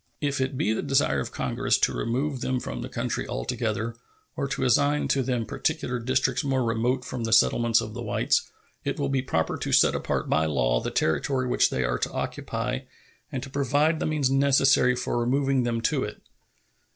If it be the desire of Congress to remove them from the country altogether, or to assign to them particular districts more remote from the settlements of the whites, it will be proper to set apart by law the territory which they are to occupy and to provide the means necessary for removing them to it.